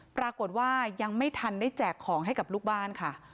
ปรากฏว่ายังไม่ทันได้แจกของให้กับลูกบ้านค่ะ